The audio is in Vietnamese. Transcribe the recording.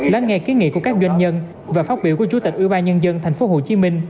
lát nghe ký nghị của các doanh nhân và phát biểu của chủ tịch ưu ba nhân dân tp hcm